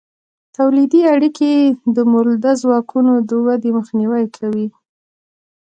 تولیدي اړیکې د مؤلده ځواکونو د ودې مخنیوی کوي.